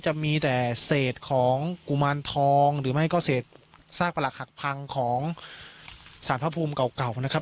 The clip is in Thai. จะมีแต่เศษของกุมารทองหรือไม่ก็เศษซากประหลักหักพังของสารพระภูมิเก่านะครับ